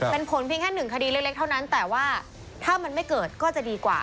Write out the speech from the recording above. เป็นผลเพียงแค่หนึ่งคดีเล็กเท่านั้นแต่ว่าถ้ามันไม่เกิดก็จะดีกว่า